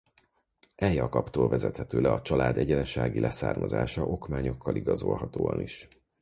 E Jakab-tól vezethető le a család egyenes ági leszármazása okmányokkal igazolhatóan is.